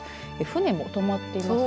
船も止まっています。